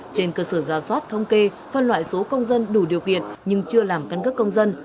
trên cơ sở giả soát thống kê phân loại số công dân đủ điều kiện nhưng chưa làm căn cước công dân